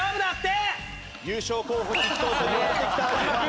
優勝候補筆頭といわれてきた安嶋君。